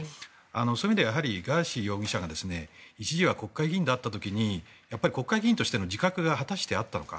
そういう意味ではガーシー容疑者が一時は国会議員だった時に国会議員としての自覚が果たしてあったのか。